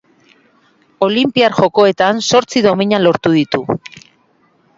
Olinpiar Jokoetan zortzi domina lortu ditu.